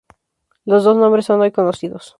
Los dos nombres son hoy desconocidos.